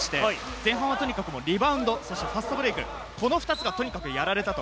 前半はとにかくリバウンド、ファストブレイク、この２つがやられたと。